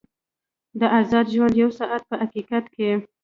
د ازاد ژوند یو ساعت په حقیقت کې.